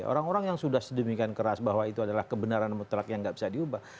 orang orang yang sudah sedemikian keras bahwa itu adalah kebenaran mutlak yang nggak bisa diubah